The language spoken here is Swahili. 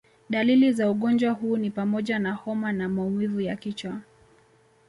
Dalili za ugonjwa huu ni pamoja na homa na maumivu ya kichwa